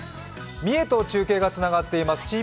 三重と中継がつながっています。